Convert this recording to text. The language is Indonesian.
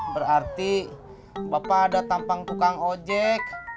berarti bapak ada tampang tukang ojek